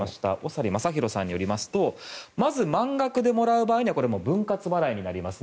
長利正弘さんによりますとまず、満額でもらう場合には分割払いになります。